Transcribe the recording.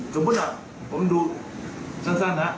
สมมุติแบบผมดูสักน่ะ